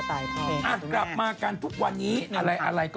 อ่ะกลับมากันทุกวันนี้อะไรก็เป็นเล็ก